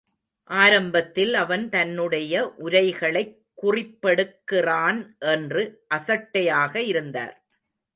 ஆரம்பத்தில் அவன் தன்னுடைய உரைகளைக் குறிப்பெடுக்கிறான் என்று அசட்டையாக இருந்தார்.